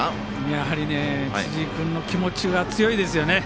やはりね、辻井君の気持ちが強いですよね。